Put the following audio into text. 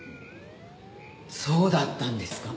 そうだったんですか？